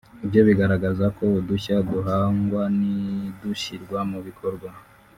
Ibyo bigaragaza ko udushya duhangwa nidushyirwa mu bikorwa